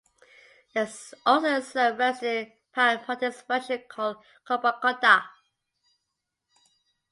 There is also a slow-roasted Piedmontese version called "coppa cotta".